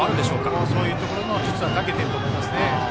林君も、そういうところに実はたけていると思いますね。